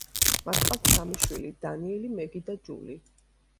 მათ ყავთ სამი შვილი: დანიელი, მეგი და ჯული.